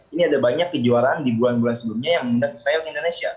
ini ada banyak kejuaraan di bulan bulan sebelumnya yang mengundang israel ke indonesia